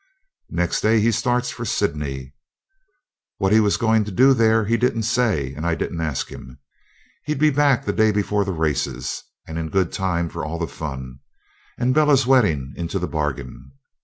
Next day he starts for Sydney; what he was going to do there he didn't say, and I didn't ask him. He'd be back the day before the races, and in good time for all the fun, and Bella's wedding into the bargain.